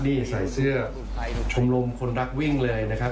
นี่ใส่เสื้อชมรมคนรักวิ่งเลยนะครับ